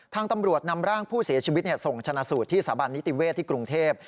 ตำรวจนำร่างผู้เสียชีวิตส่งชนะสูตรที่สถาบันนิติเวศที่กรุงเทพ